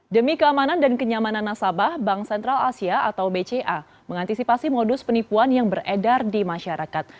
demi keamanan dan kenyamanan nasabah bank sentral asia atau bca mengantisipasi modus penipuan yang beredar di masyarakat